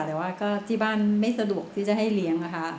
แต่ว่าก็ที่บ้านไม่สะดวกที่จะให้เลี้ยงนะคะ